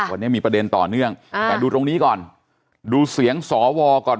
วันนี้มีประเด็นต่อเนื่องอ่าแต่ดูตรงนี้ก่อนดูเสียงสวก่อน